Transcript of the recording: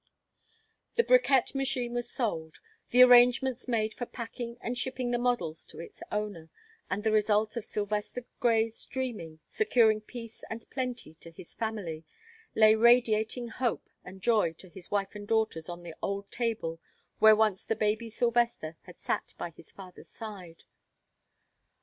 The bricquette machine was sold, the arrangements made for packing and shipping the models to its owner, and the result of Sylvester Grey's "dreaming" securing peace and plenty to his family lay, radiating hope and joy to his wife and daughters, on the old table where once the baby Sylvester had sat by his father's side.